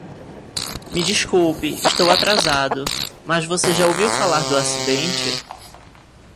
Me desculpe, estou atrasado, mas você já ouviu falar do acidente?